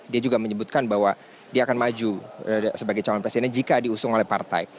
dia juga menyebutkan bahwa dia akan maju sebagai calon presidennya jika diusung oleh partai